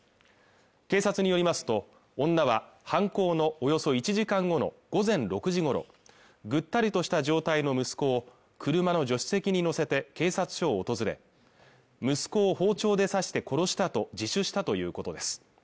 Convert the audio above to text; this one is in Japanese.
警察によりますと女は犯行のおよそ１時間後の午前６時ごろぐったりとした状態の息子を車の助手席に乗せて警察署を訪れ息子を包丁で刺して殺したと自首したということです